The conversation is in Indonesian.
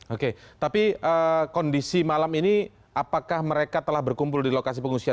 oke tapi kondisi malam ini apakah mereka telah berkumpul di lokasi pengungsian